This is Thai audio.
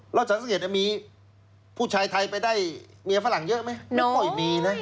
เราสังเกตมีผู้ชายไทยไปได้เมียฝรั่งเยอะไหม